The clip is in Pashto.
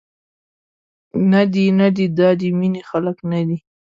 ندي، ندي دا د مینې خلک ندي.